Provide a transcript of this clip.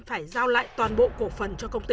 phải giao lại toàn bộ cổ phần cho công ty